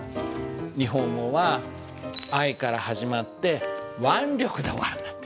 日本語は「愛」から始まって「腕力」で終わるんだって。